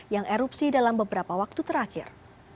yang erupsi dalam beberapa waktu terakhir